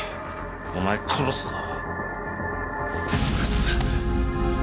お前殺すぞ。